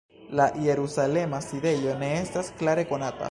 La jerusalema sidejo ne estas klare konata.